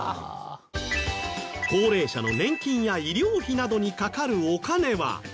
高齢者の年金や医療費などにかかるお金は。